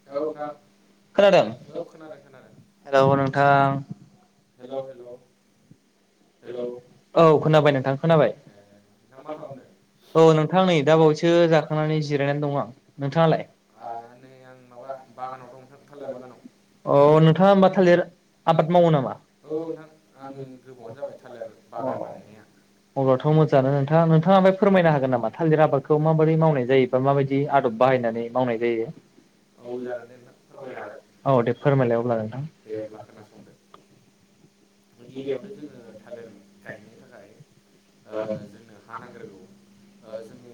औ नोंथां खोनादों हेलौ खोनादों खोनादों हेलौ नोंथां हेलौ हेलौ हेलौ औ खोनाबाय नोंथां खोनाबाय ए नोंथां मा खालामदों [unintelligible] औ नोंथां नै दा बावैसो जाखांनानै जिरायनानै दं आं नोंथाङालाय आ नै आं [unintelligible] माबा बागानाव दं थालेर बागानाव अ नोंथाङा होमबा थालिर आबाद मावो नामा औ आं थोलेर बागान बानायनाया दा नोंथाङा बाय फोरमायनो हागोन नामा थालिर आबादखौ माबोरै मावनाय जायो बा माबायदि आदब बाहायनानै मावनाय जायो औ जागोन दे फोरमायनो हागोन। औ दे फोरमायलाय अब्ला नोंथां दे अब्ला खोनासंदो [unintelligible] गिबियावनो जोङो थालेर गायनो थाखाय ओ जोंनो हा नांग्रोगौ [unintelligible] ओ जोङो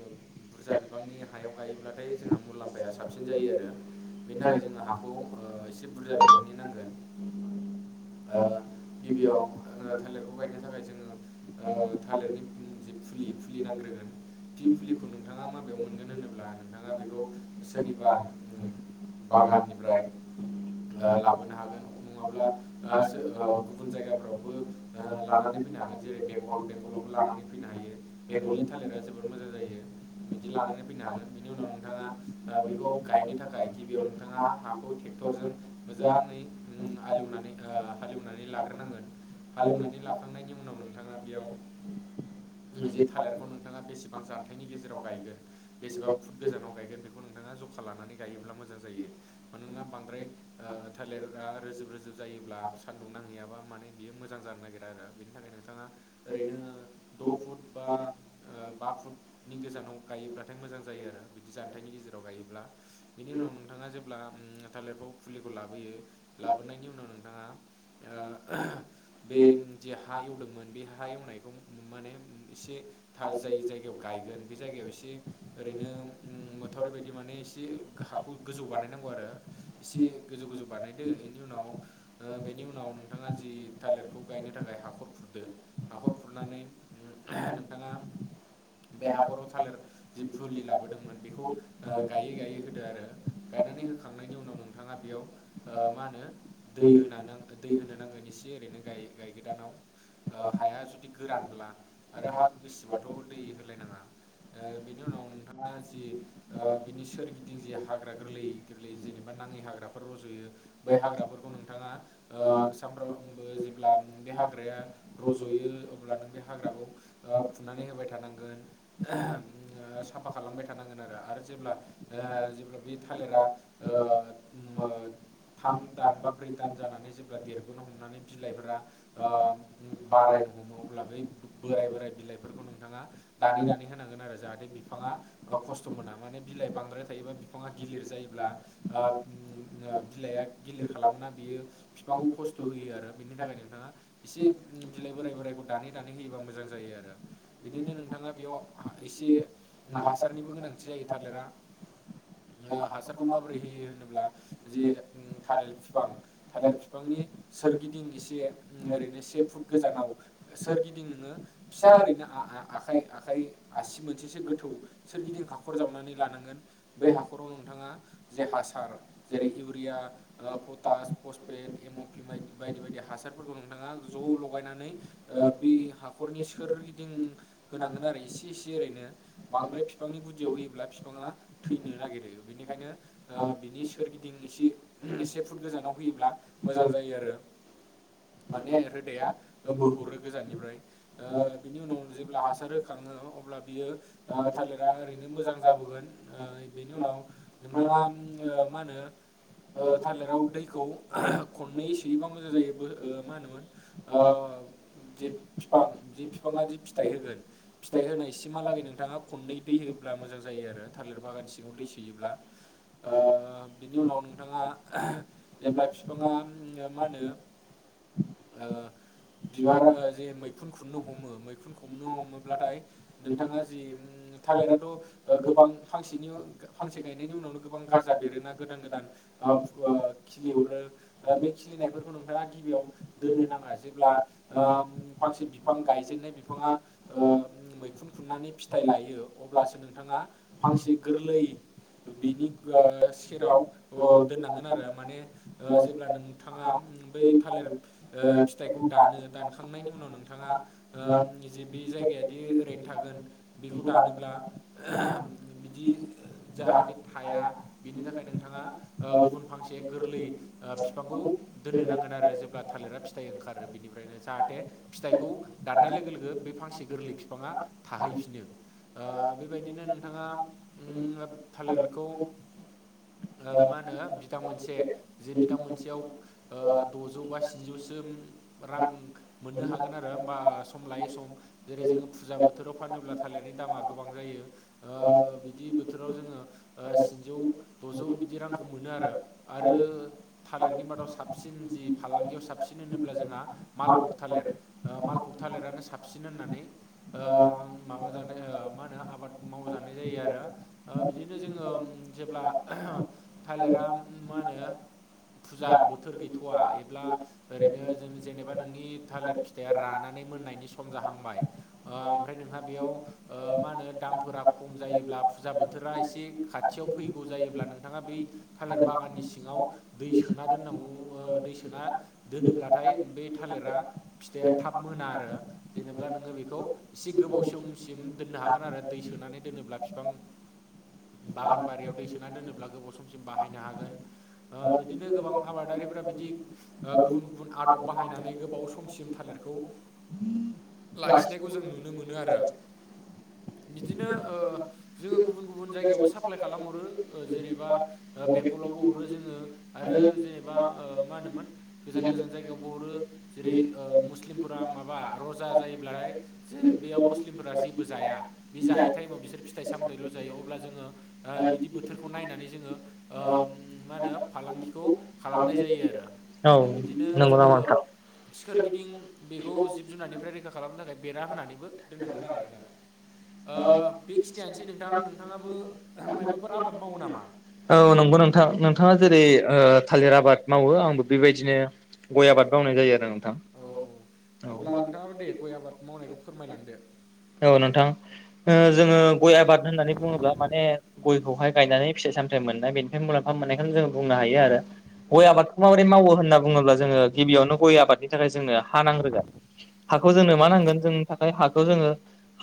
बुरजा बिबांनि हायाव गायोब्लाथाय जोंना मुलाम्फाया साबसिन जायो आरो बेनि थाखाय जोङो हाखौ ओ एसे बुरजा बिबांनि नांगोन ओ गिबियाव ओ थालेरखौ गायनो थाखाय जोङो ओ थालिरनि उम जि फुलि-फुलि नांग्रोगोन बि फुलिखौ नोंथाङा माबेयाव मोनगोन होनोब्ला नोंथाङा बे बेखौ सोरनिबा बागाननिफ्राय [unintelligible] ओ लाबोनो हागोन नङाब्ला ओ सो ओ गुबुन जायगाफ्रावबो ओ लानानै फैनो हागोन जेरै बेंगल बेंगलाव लानानै फैनो हायो बेंगलनि थालिरा जोबोद मोजां जायो बिदि लानानै फैनो हागोन बिनि उनाव नोंथाङा [unintelligible] ओ बेखौ गायनो थाखाय गिबियाव नोंथाङा हाखौ थेक्टरजों मोजाङै उम आलेवनानै ओ [unintelligible] हालेवनानै लाग्रोनांगोन हालेवनानै लाखांनायनि उनाव नोंथाङा बेयाव [unintelligible] जे थालिरखौ नोंथाङा बेसेबां जान्थायाइनि गेजेराव गायगोन बेसेबां फुट गोजानाव गायगोन बेखौ नोंथाङा जखा लानानै गायोब्ला मोजां जायो मानोना बांद्राय ओ थालेरा रोजोब रोजोब जायोब्ला सान्दुं नांहैयाबा माने बियो मोजां जानो नागिरा आरो बे बिनि थाखायनो [unintelligible] ओरैनो द' फुट बा ओ बा फुट नि गोजानाव गायोब्लाथाय मोजां जायो आरो बिदि जानथायाइनि गेजेराव गायोब्ला बेनि उनाव नोंथाङा जेब्ला उम थालेरखौ फुलिखौ लाबोयो लाबोनायनि उनाव नोंथाङा ओ [unintelligible] बे जे हा एवदोंमोन बे हा हा एवनायखौ माने एसे था जाय-जायगायाव गायगोन बे जायगायाव एसे ओरैनो उम मोथावरि बाय दि माने एसे हाखौ गोजौ बानायनांगौ आरो इसे गोजौ गोजौ बानायदो इनि उनाव ओ बेनि उनाव नोंथाङा जि थालिरखौ गायनो थाखाय हाखर खुरदो हाखर खुरनानै [unintelligible] नोंथाङा बे हागराव थालिर जि फुलि लाबोदोंमोन बेखौ ओ गायै गायै होदो आरो गायनानै होखांनायनि उनाव नोंथाङा बेयाव ओ मा होनो दै होना नों दै होनो नांगोन एसे ओरैनो गाय-गायगोदानाव ओ हाया जुदि गोरानब्ला आरो हा गिसिबाथ' दै होलायनाङा ओ बेनि उनाव नोंथाङा जि ओ बिनि सोरगिदिं जि हाग्रा गोरलै गोरलै जेनेबा नाङै हाग्राफोर रज'यो। बै हाग्राफोरखौ नोंथाङा ओ सानफ्रामबो जेब्ला बे हाग्राया रज'यो अब्ला नों बे हाग्राखौ ओ फुनानै होबाय थानांगोन [unintelligible] साफा खालामबाय थानांगोन आरो आरो जेब्ला ओ जेब्ला बे थालिरा ओ मो थाम दान बा ब्रै दान जानानै जेब्ला देरबोनो हमनानै बिलाइफोरा ओ बाराय नो हमो अब्ला बै बोराय बोराय बिलाइफोरखौ नोंथाङा दानै दानै होनांगोन आरो जाहाथे बिफाङा ओ खस्थ' मोना। माने बिलाइ बांद्राय थायोबा बिफाङा गिलिर जायोब्ला ओ [unintelligible] बिलाइआ गिलिर खालामो। ना बियो बिफांखौ खस्थ' होयो आरो बिनि थाखाय नोंथाङा एसे बिलाइ बोराइ बोराइखौ दानै दानै होयोबा मोजां जायो आरो बिदिनो नोंथाङा बेयाव एसे हासारनिबो गोनांथि जायो। थालेरा। हासारखौ माबोरै होयो होनोब्ला जे थालिर बिफां थालिर बिफांनि सोरगिदिं एसे ओरैनो से फुट गोजानाव सोरगिदिं नोङो फिसा ओरैनो आखाइ आखाइ आसि मोनसेसो गोथौ सोरगिदिं हाखु हाखर जावनानै लानांगोन बै हाखराव नोंथाङा जे हासार जेरै इउरिया ओ पटास पसपेट एम'फ्लिमाइट बायदि बायदि हासारफोरखौ नोंथाङा ज' लगायनानै ओ इ हाखरनि सोरगिदिं होनांगोन आरो इसेसे ओरैनो बांद्राय फिफांनि गुदि याव होयोब्ला बिफाङा थैनो नागिरो बेनिखायनो बिनि सोरगिदिं एसे से फुट गोजानाव होयोब्ला मोजां जायो आरो। माने रोदाया बोहरो गोजाननिफ्राय ओ बिनि उनाव जेब्ला हासार होखाङो ओ अब्ला बियो ओ थालिरा ओरैनो नो मोजां जाबोगोन ओ बेनि उनाव नोंथाङा ओ मा होनो ओ थालिराव दैखौ खननै सोयोबा मोजां जायो ओ मा होनोमोन ओ जि बिफां जि बिफाङा जि फिथाइ होगोन फिथाइ होनायसे मालागै नों नोंथाङा खननै दै होब्ला मोजां जायो आरो थालिर बागान सिङाव दै सोयोब्ला। ओ बिनि उनाव नोंथाङा जेब्ला बिफाङा ओ मा होनो [inaudible] ओ बिबार जे मैखुन खुननो हमो मैखुन खुमनो हमोब्लाथाय नोंथाङा जि थालिराथ' ओ गोबां फांसेनि फांसे गायनायनि उनावनो गोबां गाजा बेरोना गोदान गोदान ओब ओ खिलिहरो ओ बे खिलिनायफोरखौ नोंथाङा गिबियाव दोननो नाङा जेब्ला ओ फांसे बिफां गायजेननाय बिफाङा ओ मैखुन खुननानै फिथाइ लायो अब्लासो नों नोंथाङा फांसे गोरलै बिनि गाह सेराव ओ दोननांगोन आरो माने जेब्ला नोंथाङा बै थालिर ओ फिथाइखौ दानो दानखांनायनि उनाव नोंथाङा ओ जे बै बे जायगायादि ओरैनो थागोन बेखौ दानोब्ला [inaudible] बिदि जाहाथे थाया बिनि थाखाय नोंथाङा ओ गुबुन फांसे गोरलै ओ बिफांखौ दोननो नांगोन आरो जेब्ला थालिरा फिथाइ ओंखारो बिनिफ्रायनो जाहाथे फिथाइखौ दाननाय लोगो लोगो बे फांसे गोरलै बिफाङा थाहैफिनो बेबाय बिदिनो नोंथाङा ओ थालिरखौ ओ मा होनो बिद मोनसे जे बिद मोनसेयाव ओ द'जौ बा स्निजौसोम रां मोननो हागोन आरो होमबा सम लायो सम। जेरै जोङो फुजा बोथोराव फानोब्ला थालिरनि दामा गोबां जायो। ओ अ बिदि बोथोराव जोङो ओ स्निजौ द'जौ बिदि रांखौ मोनो आरो आरो थालिरनि मादाव साबसिन जि फालांगियाव साबसिन होनोब्ला जोंहा मालपक थालिर ओ मालपक फख थालिरानो साबसिन होननानै माबा जानो मा होनो आबाद [unintelligible] मावजानाय जायो आरो ओ‌ बिदिनो जोङो ओ उम जेब्ला थालिरा मा फानो‌। फुजा बोथोर गैथ'वा एब्ला ओरैनो जों जेनेबा नोंनि थालिर फिथाइया रानानै मोननायनि सम जाहांबाय ओ‌ उमफ्राय नोंहा बेयाव ओ मा होनो दाम खम जायोब्ला फुजा बोथोरा एसे खाथियाव फैगौ जायोब्ला नोंथाङा बै थालिर बागाननि सिंङाव दै सोना दोन नांगौ ओ दै सोना दोनोब्लाथाय बै थालिरा फिथाइया थाब मोना आरो जेनेबा नोङो बेखौ एसे गोबाव समसिम दोननो हागोन आरो। दै सोनानै दोनोब्ला बिफां बागानबारियाव दै सोनानै दोनोब्ला गोबाव समसिम बाहायनो हागोन। ओ बिदिनो गोबां आबादारिफोरा बिदि गुबुन गुबुन आदब बाहायनानै गोबाव समसिम थालिरखौ ला लाखिनायखौ जों नुनो मोनो आरो [unintelligible] बिदिनो ओ जोङो गुबुन गुबुन जायगायावबो साप्लाय खालामहरो ओ जेनेबा ओ बेंगलावबो हरो जोङो आरो जेनेबा ओ मा होनोमोन गोजान- गोजान जायगायावबो हरो जेरै ओ मुस्लिमफोरा माबा रजा जायोब्लाथाय जे बेयाव मुस्लिमफोरा जेबो जाया बे जायै टाइमाव बिसोर फिथाइ- सामथायाइल' जायो अब्ला जोङो ओ बिदि बोथोरखौ नायनानै जोङो ओ उम मा होनो फालांगिखौ खालामनाय जायो आरो। औ दा बिदिनो नांगो जोङो नामा नोंथां? सोरगिदिं बेखौ जिब - जुनारनिफ्राय रैखा खालामनो थाखाय बेरना होनानैबो दोननांगोन आरो नोंथाङा‌। [inaudible] ओ बेखिनियानोसै नोंथां नोंथाङाबो मायबाफोर आबाद मावो नामा? औ नंगौ नोंथां नोंथाङा जेरै ओ थालिर आबाद मावो आंबो बेबायदिनो गय आबाद मावनाय जायो आरो नोंथां। औ - औ औ अब्ला नोंथाङाबो दे गय आबाद मावनायखौ फोरमायलांदो? औ नोंथां ओ जोङो गय आबाद होननानै बुङोब्ला माने गयखौहाय गायनानै फिथाइ - सामथाय मोननाय बेनिफ्राय मुलाम्फा मोननायखौनो जों बुंनो हायो आरो। गय आबादखौ माबोरै मावो होनना बुङोब्ला जोङो गिबियावनो गय आबादनि थाखाय जोंनो हा नांग्रोगोन हाखौ जोंनो मा नांगोन जोंनि थाखाय हाखौ जोङो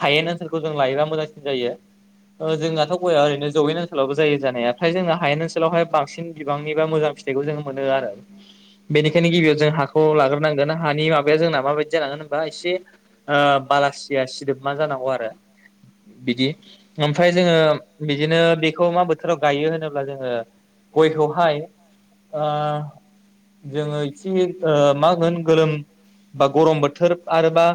हायेन ओनसोलखौ जों लायोबा मोजांसिन जायो जोंनाथ' गया ओरैनो जौयैन ओनसोलावबो जायो जानाया फ्राय जोंङो हायेन ओनसोलावहाय बांसिन बिबांनि बा मोजां फिथाइखौ जोङो मोनो आरो। बेनिखायनो गिबियाव जों हाखौ लाग्रोनांगोन हानि माबाया जोंना माबायदि जानांगोन होनबा एसे बालासिया सिदोबमा जानांगौ आरो। बिदि ओमफ्राय जोङो नांगोन बिदिनो बेखौ मा बोथोराव गायो होनोब्ला जोङो गयखौहाय आ जोङो इसे मा होनोन गोरोम बा गरम बोथोर आरोबा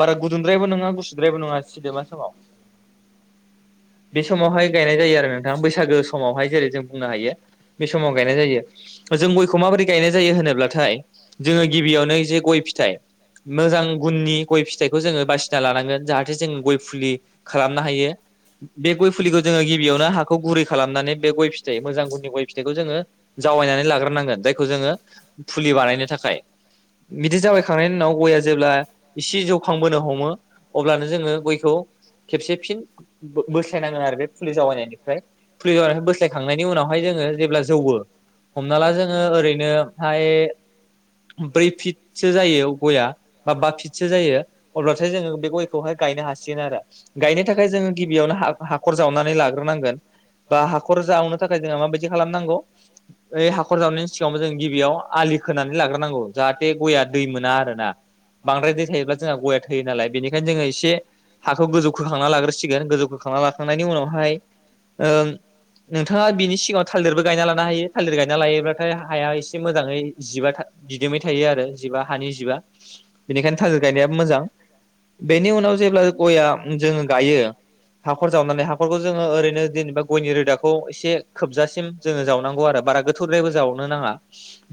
बारा गुदुंद्रायबो नङा गु सिदोबा समाव [unintelligible] बे समावहाय गायनाय जायो आरो नोंथां बैसागो समावहाय जेरै जों बुंनो हायो बे समाव गायनाय जायो जों गयखौ माबोरै गायनाय जायो होनोब्लाथाय जोङो गिबियावनो नै जे गय फिथाइ मोजां गुननि गय फिथाइखौ जोङो बासिना लानांगोन जाहाथे जों गय फुलि खालामनो हायो। बे गय फुलिखौ जोङो गिबियावनो हाखौ गुरै खालामनानै बे गय फिथाइ मोजां गुरनि गय फिथाइखौ जोङो जावायनानै लाबा लाग्रोनांगोन जायखौ जोङो फुलि बानायनो थाखाय बिदि जाबायखांनायनि उनाव गया जेब्ला इसे जौखांबोनो हमो। अब्लानो जोङो गयखौ खेबसे फिन बोस्लायनांगोन आरो बे फुलि जावैनायनिफ्राय फुलि जावैनायनिफ्राय बोस्लायखांनायनि उनावहाय जों ओ जेब्ला जौवो हमना ला जोङो ओरैनो थाय ब्रै फिटसो जायो गया बा बा फिटसो जायो अब्लाथाय जोङो बे गय बे खौहाय गायनो हासिगोन आरो गायनो थाखाय जोङो गिबियावनो हाखर जावनानै लाग्रोनांगोन। बा हाखर जावनो थाखाय जोंहा माबायदि खालामनांगौ ओइ हाखर जावनायनि सिगाङावनो जों गिबियाव आलि खोनानै लाग्रोनांगौ जाहाथे गया दै मोना आरो ना बांद्राय दैै थायोब्ला जोंहा गया थयो नालाय बेखायनोों जोङो एसे हाखौ गोजौखोखांना लाग्रोसिगोन गोजौ खोखांना लाखांनायनि उनावहाय नोंथाङा बिनि सिगाङाव थालिरबो गायना लानो हायो थालिर गाय गायना लायोब्लाथाय हाया एसे मोजाङै जिबा बिदोमै थायो आरो जिबा हानि जिबा बेनिखायनो थालिर गायनाया मोजां बेनि उनाव जेब्ला गया जोङो गायो हाखर जावनानै हाखरखौ जोङो ओरैनो जेनेबा गयनि रोदाखौ एसे खोबजासिम जोङो जावनांगौ आरो बारा गोथौद्रायबो जावनो नाङा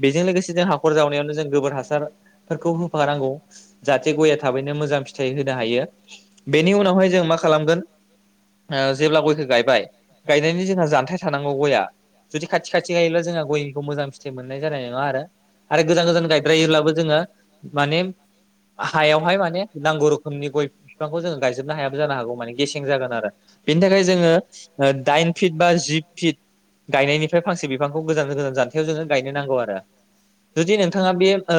बेजों लोगोसे जों हाखर जावनायावनो जों गोबोर हासारफोरखौ होफानांगौ जाहाथे गया थाबैनो मोजां फिथाइ होनो हायो बेनि उनावहाय जों मा खालामगोन ओ जेब्ला गयखौ गायबाय गायनायनि जोंहा जानथायाइ थानांगौ गया। जुदि खाथि खाथि गायोब्ला जेब्ला गया जेब्ला जौखांबोनो हमो अब्ला बैफोर जोंहा गयनिखौ मोजां फिथाइ मोननाय जानाय नङा आरो आरो गोजान गोजान गायद्रायोब्लाबो जोङो माने हायावहाय माने नांगौ रोखोमनि गय बिफांखौ जों गायजोबनो हायाबो जानो हागौ माने गेसे जागोन आरो। बेनि थाखाय जोङो ओ दाइन फिट बा जि फिट गायनायनिफ्राय फांसे बिफांखौ गोजान गोजान जानथायाव जोङो गायनो नांगौ आरो। जुदि नोंथाङा बे ओ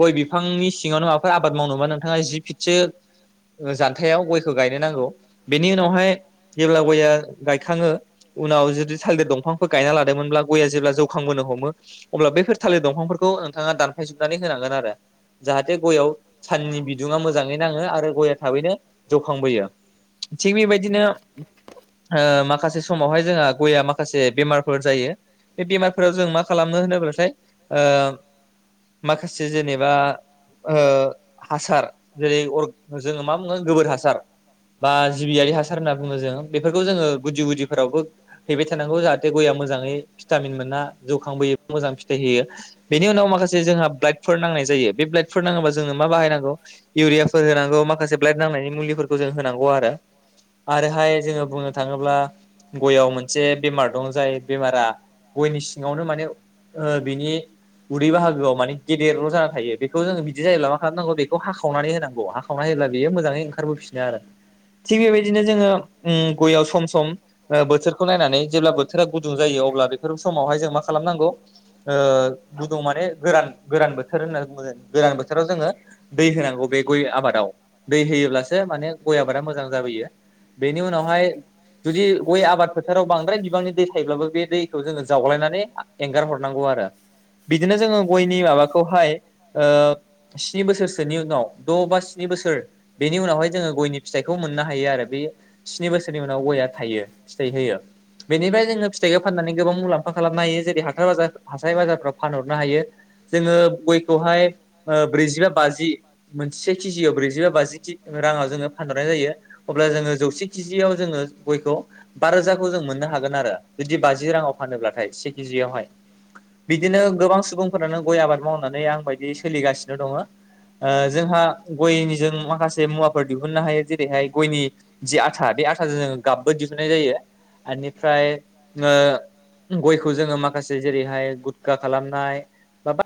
गय बिफांनि सिङावनो माबाफोर आबाद मावनोबा नों थाङा जि फिथसो ओ जान्थायाव गयखौ गायनो नांगौ। बेनि उनावहाय जेब्ला गया गायखाङो उनाव जुदि थालिर दंफांफोर गायना लादोंमोनब्ला गया जेब्ला जौखांबोनो हमो अब्ला बेफोर थालिर दंफांफोरखौ खौ नोंथाङा दानफायजोबनानै होनांगोन आरो। जाहाते गयाव साननि बि दुङा मोजाङै नाङो आरो गया थाबैनो दंफांखौ फानबोयो जौखांबोयो। थिग बे बायदिनो ओ माखासे समावहाय जोंहा गया माखासे बेमारफोर जायो। बे बेमारफोराव जों मा खालामनो होनोब्लाथाय ओ ओ माखासे जेनोबा जेनेबा ओ हासार जेरै अ जोङो मा मोनगोन गोबोर हासार बा जिबियारि हासार होनना बुङो जोङो बेफोरखौ जोङो गुदि गुदिफोरावबो हैबाय थानांगौ जाहाथे गया मोजाङै भिटामिन मोना जौखांबोयो मोजां फिथाइ होयो बेनि उनाव माखासे जोंहा ब्लाडफोर नां नाय जायो। बे ब्लाडफोर नाङोबा जोंनो मा बायांगौ इउरियाफोर होनांगौ माखासे ब्लाइड नांनायनि मुलिफोरखौ जों होनांगौ आरो। आरोहाय जोङो बुंनो थाङोब्ला गयाव मोनसे बेमार दं जाय बेमारा गयनि सिङावनो माने बिनि उदै बे बाहागोआव मानि माने गेदेरल' गेदेरखौ जानानै थायो जाखायो बेखौ जोङो जों बिदि जायोब्ला मा जायगायाव खालामनांगौ थांनो बेखौ हा खावनानै होनांगौ हाखावना होयोब्ला बेयो मोजाङै ओंखारबोफिनो आरो। थिग बेबायदिनो जोङो उम गयाव सम सम ओ बोथोरखौ नायनानै जेब्ला बोथोरा गुदुं जायो अब्ला बेफोर समावहाय जों मा खालामनांगौ ओ गुदुं माने गोर गोरान बोथोर होनना बुङो गोदान बोथोराव जोङो दै होनां गौ बे गय आबादाव। दै होयोब्लासो माने गय आबादा मोजां जाबोयो। बेनि उनावहाय जुदि गय आबाद फोथाराव बांद्राय बिबांनि दै थायोब्लाबो बे दैखौ जोङो जावग्लायनानै एंगार हरनांगौ आरो। बिदिनो जोङो गयनि माबाखौहाय ओ स्नि बोसोरसोनि उनाव द' बा स्नि बोसोर बेनि उनावहाय जोङो गयनि फिथाइखौ मोननो हायो आरो बे स्नि बोसोरनि उनाव गय या थायो फिथाइ होयो। बेनिफ्राय जोङो फिथाइखौ फाननानै गोबां मुलाम्फा खालामनो हायो जेरै हास बाजार हासाइ बाजारफोराव फानहरनो हायो। जोङो गयखौहाय ओ ब्रैजिबा बाजि मोनसे केजियाव ब्रैजि बा बाजि राङाव जोङो फानहरनाय जायो अब्ला जोङो जौसे केजियाव जोङो गयखौ बा रोजाखौ जों मोननो हागोन आरो जुदि बाजि राङाव फानोब्लाथाय से केजियावहाय। बिदिनो गोबां सुबुंफोरानो गय आबाद मावनानै आं बायदि सोलिगासिनो दङ। ओ जोंहा गयनिजों माखासे मुवाफोर दिहुननो हायो जेरैहाय गयनि जि आथा बे आथाजों जों गाबबो दिहुन नाय जायो आरो बेनिफ्राय ओ गयखौ जोङो माखासे जेरैहाय गुदखा खालामनाय माबा